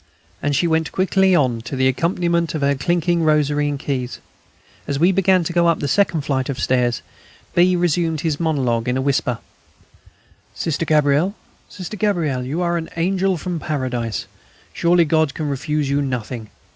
And she went quickly on to the accompaniment of her clinking rosary and keys. As we began to go up the second flight of stairs B. resumed his monologue in a whisper: "Sister Gabrielle, ... Sister Gabrielle, you are an angel from Paradise. Surely God can refuse you nothing.